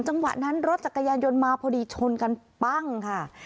จังหวะนั้นรถจักรยานยนต์มาพอดีชนกันปั้งค่ะ